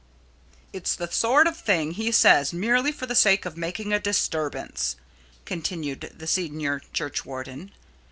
"It's the sort of thing he says merely for the sake of making a disturbance," continued the senior churchwarden.